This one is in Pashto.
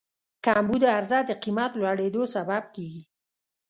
کمبود عرضه د قیمت لوړېدو سبب کېږي.